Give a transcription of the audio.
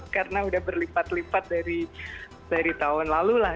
karena udah berlipat lipat dari tahun lalu lah